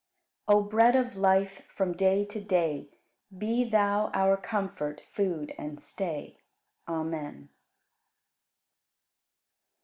41. O Bread of Life, from day to day Be Thou our Comfort, Food, and Stay. Amen.